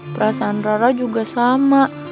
perasaan rora juga sama